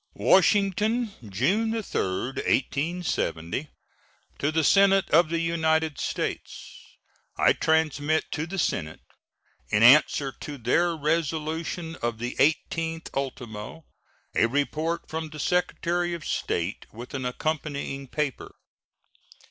WASHINGTON, June 3, 1870. To the Senate of the United States: I transmit to the Senate, in answer to their resolution of the 18th ultimo, a report from the Secretary of State, with an accompanying paper.